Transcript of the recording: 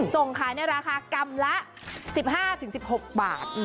ส่งขายในราคากรัมละ๑๕๑๖บาท